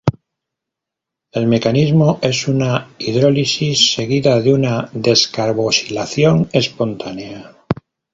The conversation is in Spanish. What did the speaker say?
El mecanismo es una hidrólisis, seguida de una descarboxilación espontánea.